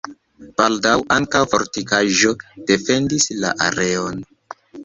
Baldaŭ ankaŭ fortikaĵo defendis la areon.